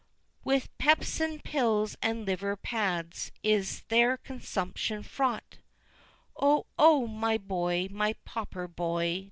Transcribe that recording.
"With pepsine pills and liver pads is their consumption fraught, Oh! oh! my boy, my pauper boy!